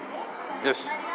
よし。